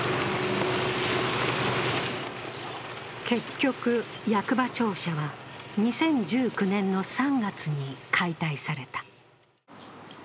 結局、役場庁舎は２０１９年の３月に解体された。